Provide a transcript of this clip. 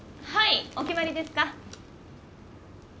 はいお決まりですか？